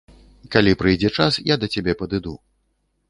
Калі прыйдзе час, я да цябе падыду.